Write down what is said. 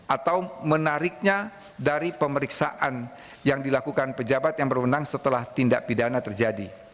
atau menariknya dari pemeriksaan yang dilakukan pejabat yang berwenang setelah tindak pidana terjadi